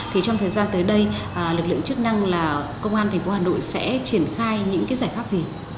thì trong thời gian tới đây lực lượng chức năng là công an tp hà nội sẽ triển khai những giải pháp gì